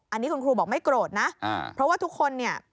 อันนี้คุณครูบอกไม่โกรธนะเพราะว่าทุกคนเนี่ย